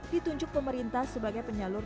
ditunjuk pemerintah sebagai penyalur